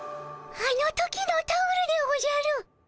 あの時のタオルでおじゃる。